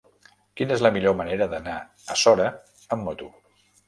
Quina és la millor manera d'anar a Sora amb moto?